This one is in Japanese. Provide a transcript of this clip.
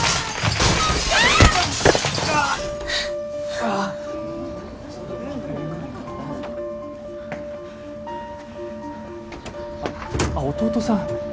あっ弟さん。